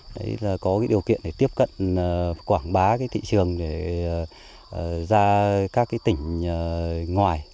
đấy là có cái điều kiện để tiếp cận quảng bá cái thị trường để ra các cái tỉnh ngoài